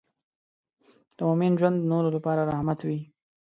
د مؤمن ژوند د نورو لپاره رحمت وي.